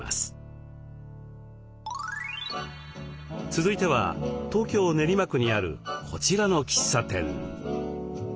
続いては東京・練馬区にあるこちらの喫茶店。